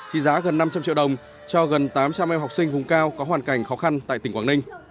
trị giá gần năm trăm linh triệu đồng cho gần tám trăm linh em học sinh vùng cao có hoàn cảnh khó khăn tại tỉnh quảng ninh